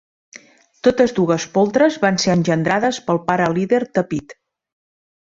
Totes dues poltres van ser engendrades pel pare líder Tapit.